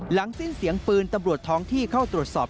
สิ้นเสียงปืนตำรวจท้องที่เข้าตรวจสอบ